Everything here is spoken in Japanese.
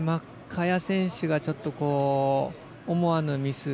萱選手がちょっと思わぬミス